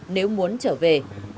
để trở về